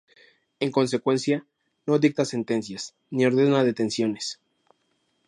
En consecuencia, no dicta sentencias, ni ordena detenciones.